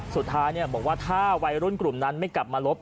สุดท้ายบอกว่าถ้าวัยรุ่นกลุ่มนั้นไม่กลับมาลบ